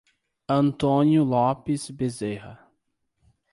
Antônio Lopes Bezerra